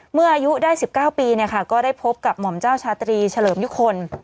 เมื่ออายุได้สิบเก้าปีเนี้ยค่ะก็ได้พบกับหม่อมเจ้าชาตรีเฉลิมยุคคล